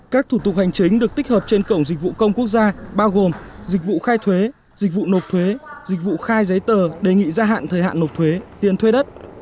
các thủ tục hành chính được tích hợp trên cổng dịch vụ công quốc gia bao gồm dịch vụ khai thuế dịch vụ nộp thuế dịch vụ khai giấy tờ đề nghị gia hạn thời hạn nộp thuế tiền thuê đất